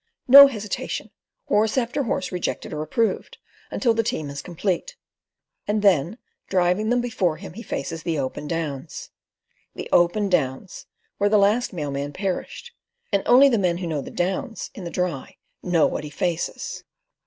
No hesitation: horse after horse rejected or approved, until the team is complete; and then driving them before him he faces the Open Downs—the Open Downs, where the last mail man perished; and only the men who know the Downs in the Dry know what he faces.